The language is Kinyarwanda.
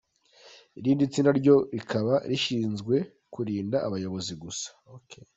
Irindi tsinda ryo rikaba rishinzwe kurinda abayobozi gusa.